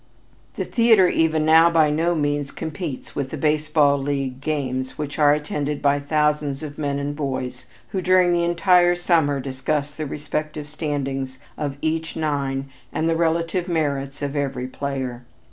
The theater even now by no means competes with the baseball league games which are attended by thousands of men and boys who, during the entire summer, discuss the respective standing of each nine and the relative merits of every player.